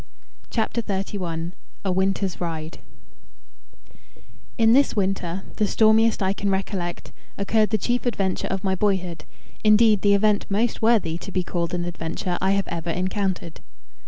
] CHAPTER XXXI A Winter's Ride In this winter, the stormiest I can recollect, occurred the chief adventure of my boyhood indeed, the event most worthy to be called an adventure I have ever encountered.